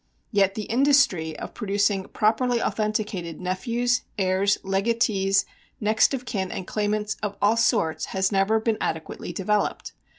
Yet the industry of producing properly authenticated nephews, heirs, legatees, next of kin and claimants of all sorts has never been adequately developed.